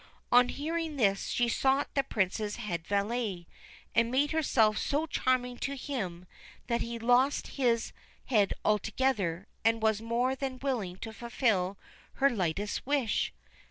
On hearing this she sought the Prince's head valet, and made herself so charming to him that he lost his head altogether, and was more than willing to fulfil her lightest wish.